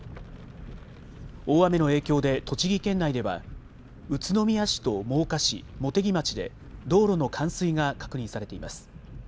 大雨の影響で栃木県内では宇都宮市と真岡市、茂木町で道路の冠水が確認されています。